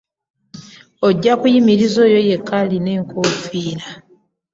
Ojja kuyimiriza oyo yekka alina enkoofiira.